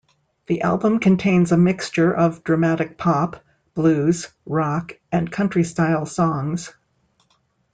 The album contains a mixture of dramatic pop, blues, rock, and country style songs.